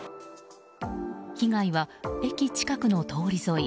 被害は、駅近くの通り沿い